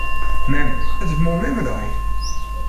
Mem! It is moarn memmedei.